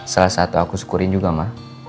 salah satu aku syukurin juga mah